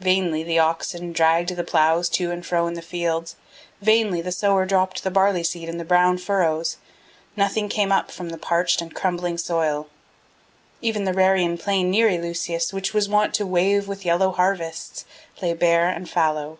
Vainly the oxen dragged the ploughs to and fro in the fields; vainly the sower dropped the barley seed in the brown furrows; nothing came up from the parched and crumbling soil. Even the Rarian plain near Eleusis, which was wont to wave with yellow harvests, lay bare and fallow.